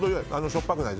しょっぱくない。